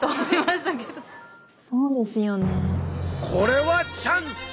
これはチャンス！